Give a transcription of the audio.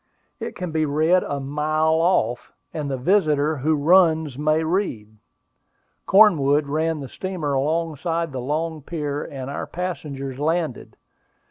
It can be read a mile off, and the visitor "who runs may read." Cornwood ran the steamer alongside the long pier, and our passengers landed.